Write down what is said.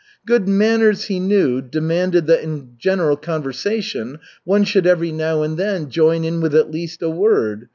Good manners, he knew, demanded that in a general conversation one should every now and then join in with at least a word.